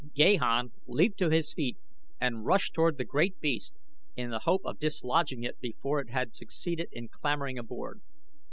Gahan leaped to his feet and rushed toward the great beast in the hope of dislodging it before it had succeeded in clambering aboard.